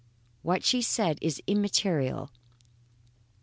What she said is immaterial.